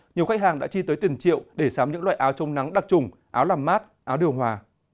nhiều khách hàng đã chi tới tiền triệu để sám những loại áo chống nắng đặc trùng áo làm mát áo điều hòa